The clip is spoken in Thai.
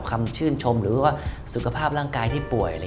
คำชื่นชมหรือว่าสุขภาพร่างกายที่ป่วย